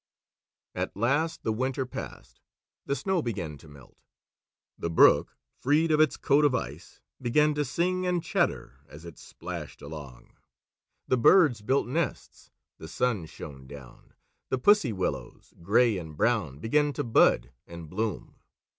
At last the winter passed. The snow began to melt; the brook, freed of its coat of ice, began to sing and chatter as it splashed along; the birds built nests; the sun shone down; the pussy willows, gray and brown, began to bud and bloom.